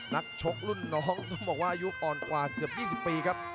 นักชกรุ่นน้องต้องบอกว่าอายุอ่อนกว่าเกือบ๒๐ปีครับ